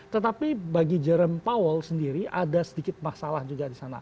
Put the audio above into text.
tetapi bagi jerome powell sendiri ada sedikit masalah juga di sana